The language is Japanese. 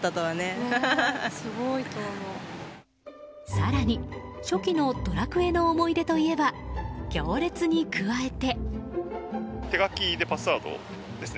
更に、初期の「ドラクエ」の思い出といえば、行列に加えて。